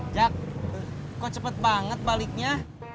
jak kok cepet banget baliknya